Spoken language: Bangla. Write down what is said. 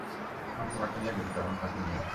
আমি তোমাকে নিয়ে গর্বিত এবং তাকে নিয়েও।